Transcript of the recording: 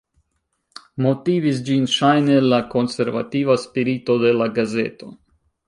Motivis ĝin ŝajne la konservativa spirito de la gazeto.